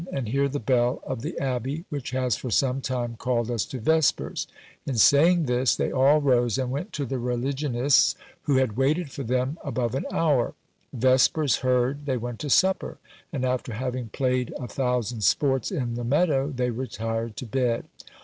and hear the bell of the abbey, which has for some time called us to vespers; in saying this they all rose and went to the religionists who had waited for them above an hour. Vespers heard, they went to supper, and after having played a thousand sports in the meadow they retired to bed."